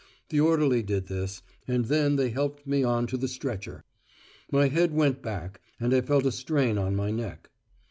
The orderly did this, and then they helped me on to the stretcher. My head went back, and I felt a strain on my neck.